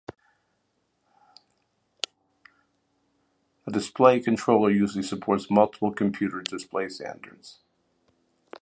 A display controller usually supports multiple computer display standards.